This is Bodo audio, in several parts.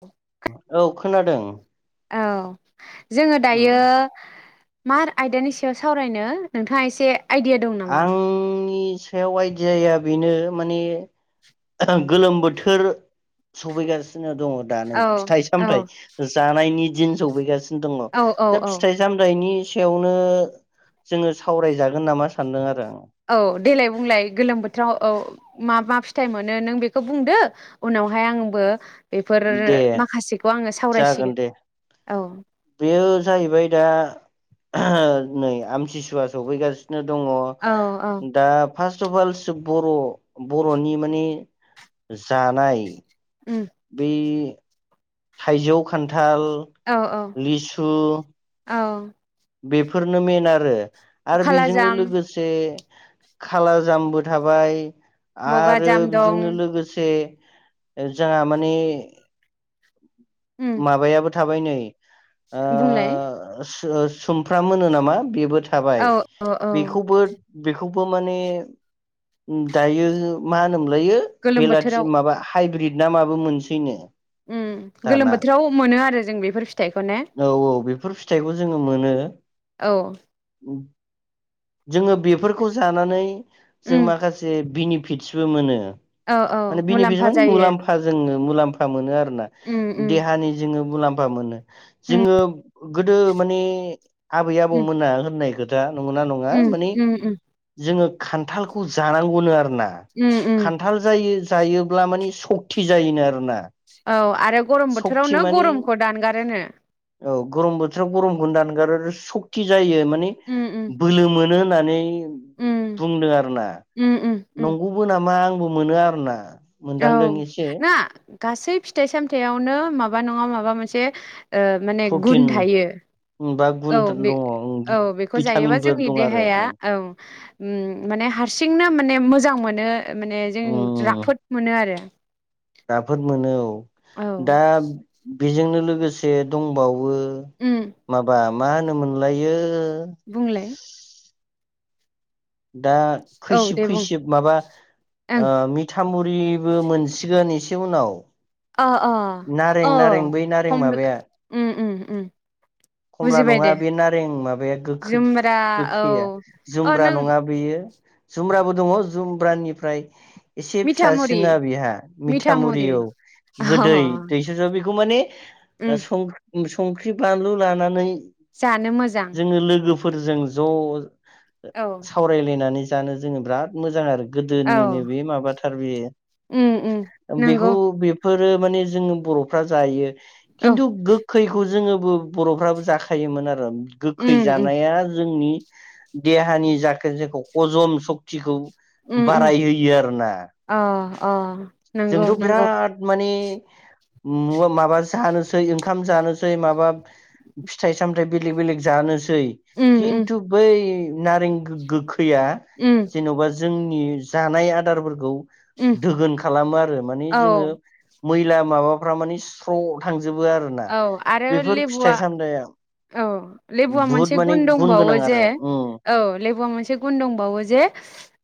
औ औ खोनादों। औ जोङो दायो उम मा आयदानि सायाव सावरायनो नोंथाङा एसे आइडिया दं नामा? आंनि सायाव आयडियाया बेनो माने गोलोम बोथोर सफैगासिनो आरो दङ दा नै औ फिथाइ औ सामथ जानायनि दिन सौफैगासिनो दङ औ औ दा औ फिथाइ सामथाइनि सायावनो जोङो सावरायजागोन नामा? सान्दों आरो आं औ देलाय बुंलाय गोलोम बोथोराव औ मा मा फिथाइ मोनो नों बेखौ बुंदो उनावहाय आंबो बेफोर दे माखासेखौ आङो जागोन सावरायसिगोन दे । औ बेयो जाहैबाय दा नै आमथिसुवा सफैगासिनो दङ औ औ दा फार्स्ट अफ अल सो बर' बर'नि माने जानाय उम बेै थाइजौ खान्था ल औ औ लिसु औ बेफोरनो मेन आरो आरो बेजोंनो खालाजाम लोगोसे खाला जामबो थाबाय आरो बगाजाम दं बेजोंनो लोगोसे ए जोहा माने उम माबायाबो थाबाय नै। ओ बुंलाय स ओ सुमफ्राम मोनो नामा बेबो थ थाबाय औ औ औ बेखौबो बे खौबो माने दायो मा होनोमोनलायो गोलोम बेलाथि बोथोराव माबा हाइब्रिद ना माबो मोनसैनो। उम। गोलोम दाना बोथोराव मोनो आरो जों बेफोर फिथाइखौ ने? फोर फिथाइखौ जोङो मोनो। औ। उम। जोङो बेफोरखौ जानानै जों उम माखासे बेनि फित्सबो मोनो। औ औ माने मुलाम्फा [unintelligible] जायो मुलाम्फा जोङो मुलाम्फा मोनो आरोना उम उम देहानि जोङो मुलाम्फ बा मोनो उम जोङो गोदो माने आबै उम आबौमोना होननाय खोथ जा नंगोना बा उम माने उम उम जोङो खान्थालखौ जानांगौनो आरो। ना उम उम खान्थाल जायो जायोब्ला मानि सक्ति जायोनो आरोना। औ। आरो गरम सक्ति बोथोरावनो माने गरमखौ दानगारोनो। औ गरम बोथोराव गरमखौ दानगारो सक्ति जायो नि उम उम बोलो मोनो नानै उम बुंदों आरोना उम उम उम नंगौबो नामा आं बो मोनो आरो ना। औ ना। गासै फिथाइ सामथाइयावनो माबा नङा माबा मोनसे ओ माने गुन प्रटिन थायो बा । गुन औ दङ बे औ बेखौ जायोबा भिटामिनफोर जोंनि दं आरो देहाया उम औ। ओम माने हारसिंनो माने मोजां मोनो। माने जों उम राफोद मोनो आरो। राफोद मोनो औ । दा औ बेजोंनो लोगोसे दंबावो वो उम माबा मा होनो मानलायो ओ बुंलाय दा औ खैसिब दे बुं खैसिब माबा ओं ओ मिथामुर फ्रिबो मोनसिगोन एसे उनाव अ अ नारें अ नारें बै नारें हम माबाया उम उम उम खमला बुजिबाय नङा दे बे नारें माबाया गोखै जुमब्रा औ गोखैया औ जुमब्रा नों नङा बैयो जुम्ब्राबो दङ जुमब्रानिफ्राय एसे मिथा मुरि फिसासिना बेहा मिथा मिथामुरि मुरि औ अ गोदै दैसुप सुप बेखौ माने ओ उम सं संख्रि बान्दलु लानानै जानो मोजां फोरजों ज' औ सावरायलायनानै जानो जोङो बिराद मोजां आरो । औ गोदोनिनो बे माबाथार बेयो उम उम बेखौ नंगौ बे फोरो माने जोङो बर'फ्रा जायो। औ खिन्थु गोखैखौ जोङो औ बर'फ्राबो जाखायोमोन आरो । गोखै उम उम जानाया जोंनि देहानि जाखो जायखौ हजम सक्तिखौ उम उम बाराय होयो आरो ना । अ अ नंगौ जोंथ' नंगौ बिराद माने म-माबा जानोसै ओंखाम जानोसै माबा फिथाइ सामथाइ बेलेग बेलेग जानो सै उम उम किन्थु बै नारें गो-गोखै खैया उम जेन'बा जोंनि जानाय आदारफोरखौ उम दोगोन खा खालामो आरो माने औ जोङो मैला माबाफ्रा माने स्र थांजो जोबो आरोना औ आरो बेफोर लेबुआ फिथाइ सामथाइआ औ लेबुवा मोनसे गुन दंबावो जे आरो उम औ लेबुवा मोनसे गुन दंबावो जे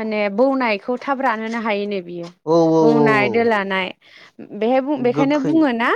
माने बौनायखौ थाब रानहो हायोनो बियो औ औ औ औ बौनाय दोलानाय बेहाय बेखायनो गोखै बुङो ना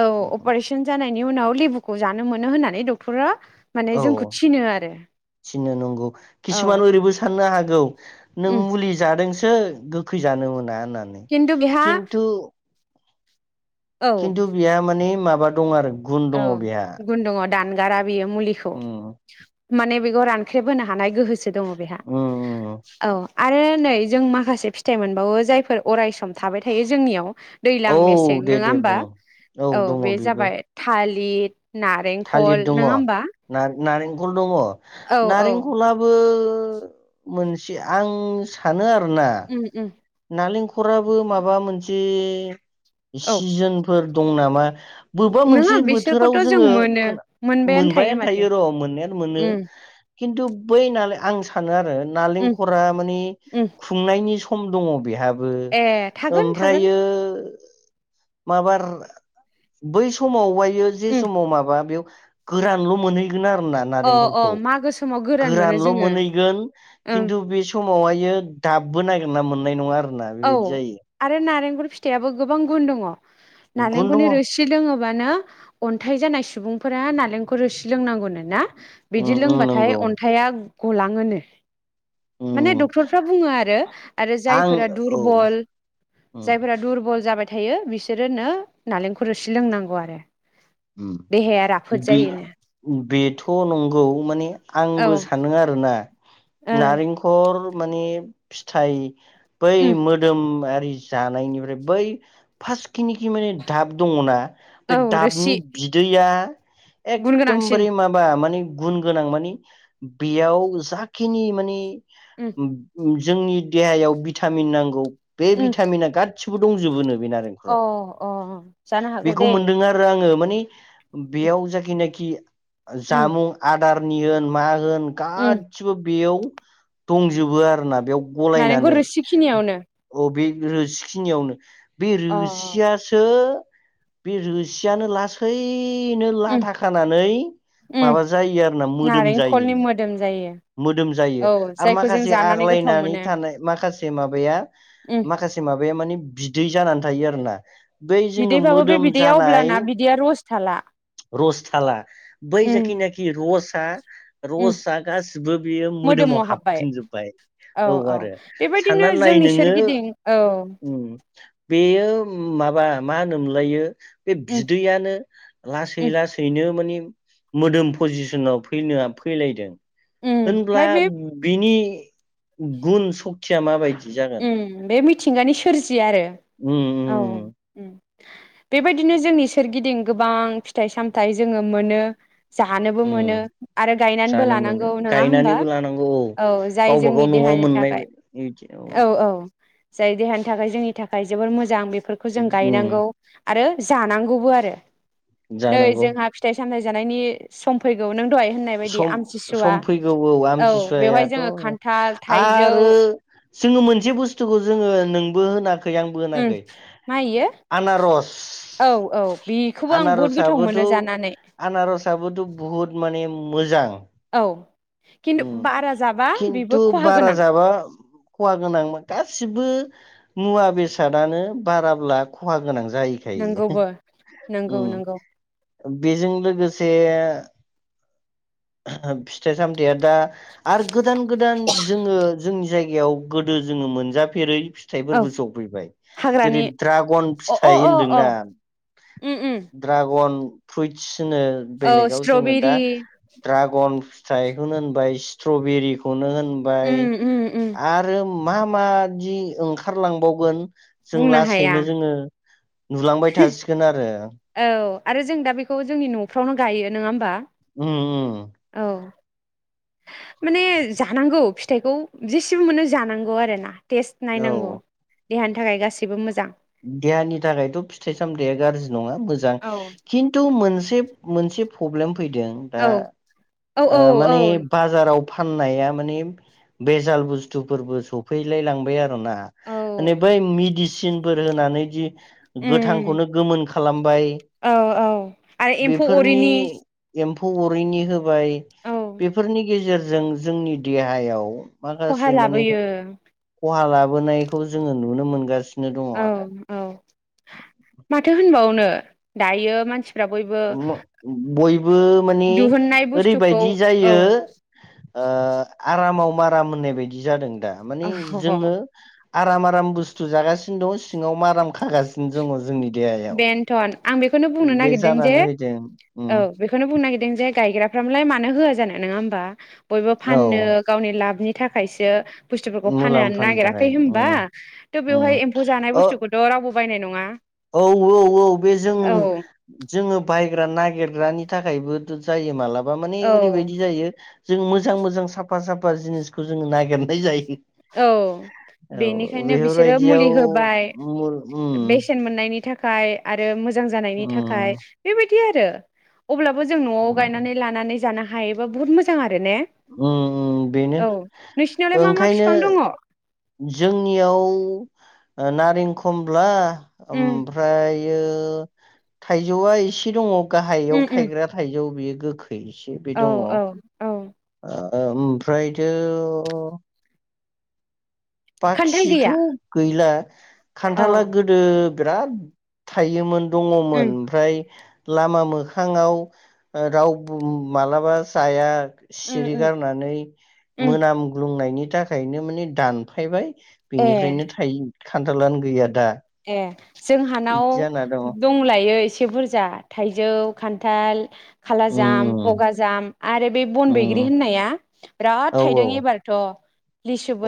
औ अपारेशन जानाय नि उनाव लेबुखौ जानो मोनो होननानै नै डक्टरा माने औ जोंखौ थिनो आरो थिनो नंगौ औ किसुमान ओरैबो साननो हागौ गौ नों उम मुलि जादोंसो गोखै जानो मोना होननानै खिन्थु बेहा खिन्थु औ खिन्थु बिहा माने माबा दं आरो गुन दङ औ बेहा गुन दङ दानगारा बियो मुलिखौ उम माने बेखौ रानख्रेब होनो हानाय गोहो स दङ बेहा उम उम औ आरो नै जों माखासे फिथाइ मोनबावो जायफोर अरायसम थाबाय थायो जोंनियाव दैज्लां औ मेसें दे नङा दे होमबा बुं औ दङ बे बेबो जाबाय थालिर नारेंखल नङा होमबा? खल दङ औ औ नारेंखलाबो बो मोनसे आं सानो आरो उम उम नालेंखराबो माबा मोनसे औ सिजोनफोर दं ना? मा बबेबा नङा मोनसे बोथोराव बिसोरखौथ' जों जोङो मोनो खोना मोनबायानो माथो थायो र' मोननायानो मोनो उम खिन्थु बै नाला आं सानो आरो उम नालेंखरा मानि उम खुंनायनि सम दङ बेहा बो ए थागोन थागोन ओमफ्रायो माबार बै सोमाव हाय यो जि उम समाव माबा बेयाव गोरानल' मोनै आरोना अ अ नारेंखलखौ मागो समाव गोरान मोनो गोरानल' जोङो मोनैगोन ओं खिथु बे समावहायो दाबबो ना [unintelligible] मोननाय नङा आरो औ आरो नारें खर फिथायाबो गोबां गुन दङ। गुन दङ नालेंखुरनि रोसि लोङो मानो अन्थाइ जानाय सुबुंफोरा नालेंखर रोसि लोंनांगौनो? उम बिदि उम लोंबाथाय नंगौ अन्थाया गलाङोनो। माने उम डक्टरफ्रा बुङो आरो जाय आं फोरा औ दुरबल उम जायफोरा दुरबल जाबा थायो बिसोरनो नालेंखर रोसि लोंनांगौ आरो उम देहाया राफोद बे जायोनो बेथ' नंगौ माने औ आंबो सानो आरोना ओं नारेंखर माने फिथाइ बै उम मोदोम आरि जानायनिफ्राय बै फार्स्ट खिनिखि माने दाब दङना बे औ दाबनि रोसि इया गुन गोनांसिन एकदमबारे माबा माने गुन गोनां मानि बेयाव जाखिनि माने उम जोंनि देहायाव बिटामिन नांगौ बे उम भिटामिना गाद गासिबो दंजोबोनो अ अ जानो हागौ बेखौ दै मोनदों आरो आङो माने [inaudible] बेयाव जाखिनाखि [inaudible] उम जामुं आद थारनि होन मा होन उम गासिबो बेयाव दंजोबो आरोना बेयाव नारेंखल गलायनानै रोसिखिनियावनो अबे रोसिखिनियावनो बे अ रोसियासो बे रोसियानो लास ओइ नो उम लाथा खानानै उम माबा जायो आरोना मोदोम नारेंखलनि जायोनो मोदोम जायो मोदम जायो औ आरो जायखौ जों माखासे जानानै गोथाव आग्लायनानै मोनो थानाय माखासे मबाया उम माखासे मबाया माने बिदै जानानै था थायो आरो ना बिदैबाबो बे बिदैआव अब्लाना बिदै रस थाला बै उम जाखिनाखि रस हा उम रसआ गासिबो बेयो मोदोमाव हाबफिनजोबबाय औ आरो बेबायदिनो सानना नाय जोंनि नोङो सोरगिदिं औ उम बेयो माबा मा होनोम मोनलायो बे उम बि दैयानो लासै उम उम लासैनो माने मोदोम पजिसनाव फैनो फैलायदों होनब्ला ओमफ्राय बे बिनि गुन सक्तिया माबायदि जागोन उम बे मि मिथिंगानि सोरजि जिआरो औ उम उम बेबायदिनो जोंनि सोरगिदिं गोबां फिथाइ सामथाइ जोङो मोनो जानोबो उम मोनो उम आरो गायनानैबो जानो मोनो लानांगौ नङा होमबा गायनानैबो लानांगौ औ जाय गावबा गाव जोंनि न'आव देहानि मोननाय थाखाय बा- बिदि औ जाय देहानि थाखाय जोंनि थाखाय जोबोर मोजां बे फोरखौ जों उम गायनांगौ आरो जानांगौबो आरो नै जानांगौ जोंहा फिथाय सामथाय जानायनि सम फैगौ नों बायदि सम आमथिसुवा सम फैगौ औ बेवहाय आमतसुवायाथ' जोङो खान्थाल थाइजौ आरो जोङो मोनसे बुस्थुखौ जोङो नोंबो होनाखै खै आंबो उम होनाखै मा इयो आनारस औ औ बेखौबो आं बहुद गोथाव आनारसाबोथ' मोनो जानानै आनारसाबोथ' बुहुत माने मोजां औ खिन्थु बारा जाबा बेबो खिन्थु खहा बारा गोनां जाबा खहा गोनां गासिबो मुवा बेसादानो बाराब्ला खहा गोनां जायो नंगौबो नंगौ नंगौ बेजों लोगोसे फिथाइ सामथाया दा आरो गोदान गोदान जोङो जोंनि जायगायाव गोदो जोङो मोनजाफेरै औ फिथाइफोरबो जफैबाय जेरै हाग्रानि ड्रागन अ अ फिथाइ अ अ होन्दोंना उम उम ड्रागन फ्रुइत्स जोङो औ बेलेगाव जोङो दा स्ट्रबेरि बन फिथाय खौनो होनबाय स्ट्रबेरी बाय उम उम उम आरो मा मादि ओंखारलांबावगोन जों बुंनो हाया लासैनो जोङो नुलांबाय थासिगोन आरो औ आरो जों दा बेखौ जोंनि न'फ्रावनो गायो नङा होमबा उम उम औ माने जानांगौ फिथाइखौ जेसेबो मोनो जानांगौ आरो ना टेस्ट औ नायनांगौ देहानि थाखाय गासैबो मोजां देहानि थाखायथ' फिथाइ सामथाइया गाज्रि नङा मोजां औ खिन्थु मोनसे मोनसे फब्लेम फैदों दा औ औ ओ औ औ माने बाजाराव फाननाया माने बेजाल बुस्थुफोरबो सफैलाय लांबाय आरो ना माने औ बै मेदि सिन फोर होनानै जि गोथांखौनो गोमोनखा खालाम औ-औ आरो एम्फौ अरिनि फौ अरैनि हो बाय औ बेफोरनि गेजेर जों- जोंनि देहायाव, खहा माखासे माने लाबोयो खहा ला लाबोनायखौ जोङो नुनो मोनगासिनो । औ- औ, माथो होनबावनो? दायो मानसि बयबो मानि दिहुननाय बुस्थुखौ ओरैबायदि औ जायो ओ आरामाव बारा मोननाय बायदि जादों । दा माने औ जोङो, आराम - आराम बुस्थु जागासिनो दं, सिङाव माराम खागासिनो दङ जोंनि। देहायाव बेनोथ' आं बेखौनो बुंनो बे नागिरदों जे जानानै फैदों उम औ बेखौनो बुंनो नागिरदों । जे गायग्राफ्रा मालाय मानो होआ जानो नङा होमबा? बयबो औ फाननो गावनि लाबनि थाखायसो, बुस्थुफोरखौ फाननानै मुलाम्फानि थाखाय नागिराखै होमबा? उम थ' उम बेवहाय एम्फौ जानाय बुथुफोरखौथ' रावबो, बायनाय नङा । औ-औ-औ बे जों जोङो बाइ नागिरग्रानि थाखायबो जायो मालाबा माबा माने औ ओरैबायदि जायो। जों मोजां-मोजां, साफा-साफा जिनिसखौ जोङो नागिरनाय जायो । औ बेनिखायनो बिसोरो बेफोरबायदियाव मुलि होबाय मुल उम बेसेन मोननायनि थाख खाय आरो मोजां, जानायनि थाखाय उम बेबायदि दि आरो अब्लाबो जों न'आव उम गायनानै लानानै जानो हा हायोबा बुहुद मोजां आ ने उम औ नोंसिनावलाय मा मा ओ बिफां दङ जोंनियाव नारें खमब्ला उम ओमफ्राय ओ थाइजौआ एसे दङ । गाहायाव उम उम थायग्रा थाइजौ बेयो । गोखै बो एसे बे औ दङ। औ औ ओमफ्रायथो खान्थाल बाखिथ गैया गैला औ खान्थाला गोदो बिराद थायोमोन दङमोन उम ओमफ्राय लामा मोखाङाव रावबो मालाबा जाया । उम सिरि उम गारनानै उम मोनामग्लुंनायनि थाखायनो माने दान फायबाय । ए बेनिफ्रायनो थायो । खान्थालानो गैया दा । ए । जोंहानाव दङ दंलायो एसे । एसे बुरजा थाइजौ खान्थाल खाला जाम उम बगाजाम आरो बे बन बैग्रि उम होननाया बिराद औ औ थाइदों एबारथ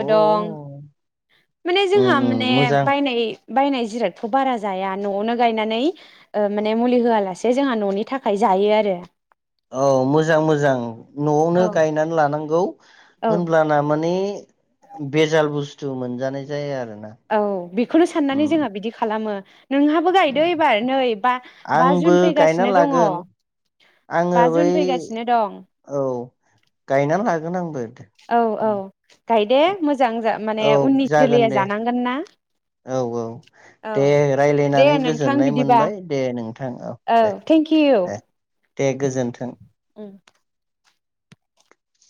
अ दं माने उम जोंहा माने उम मोजां बायनाय बायनाय जिरादखौ बारा जाया नआवनो गायनानै माने मुलि होआलासे जोंहा ननि थाखाय जायो आरो औ मोजां मोजां नआवनो औ गायनानै लानांगौ औ ओनब्लाना माने बेजाल बुस्थु मोनजानाय जाया आरो । औ औ बेखौनो साननानै जोंहा बिदि खालामो । नोंहाबो गायदो उम एबार नै बा बा आंबो जुन गायना फैगासिनो दङ लागोन आङो बा बै जुन फैगासिनो दं । गोन आंबो । औ औ गायदे मोजां माने औ उननि जागोन जोलैया दे जानांगोन ना । औ औ । दे दे रायज्लायनानै नोंथां गोजोननाय बिदिबा मोनबाय दे नोंथां औ दे दे थेंक इउ । दे गोजोन्थों। उ।